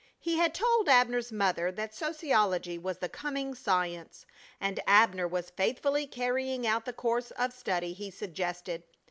He had told Abner's mother that sociology was the coming science, and Abner was faithfully carrying out the course of study he suggested.